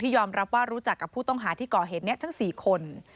ยอมรับว่ารู้จักกับผู้ต้องหาที่ก่อเหตุนี้ทั้ง๔คน